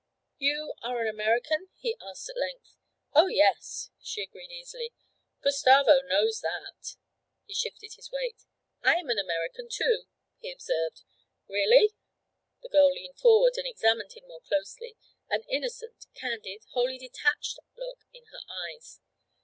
'You are an American?' he asked at length. 'Oh, yes,' she agreed easily. 'Gustavo knows that.' He shifted his weight. 'I am an American too,' he observed. 'Really?' The girl leaned forward and examined him more closely, an innocent, candid, wholly detached look in her eyes.